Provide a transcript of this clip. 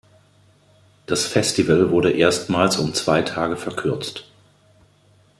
Das Festival wurde erstmals um zwei Tage verkürzt.